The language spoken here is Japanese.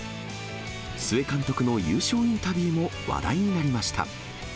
須江監督の優勝インタビューも話題になりました。